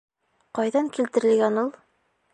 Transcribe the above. Ҡайҙан килтерелгән ул?